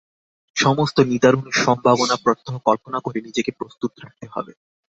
সমস্ত নিদারুণ সম্ভাবনা প্রত্যহ কল্পনা করে নিজেকে প্রস্তুত রাখতে হবে।